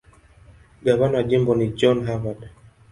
Gavana wa jimbo ni John Harvard.